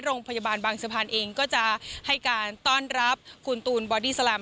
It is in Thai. โรงพยาบาลบางสะพานเองก็จะให้การต้อนรับคุณตูนบอดี้แลม